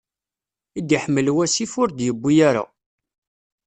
I d-iḥmel wasif, ur d-yewwi ara.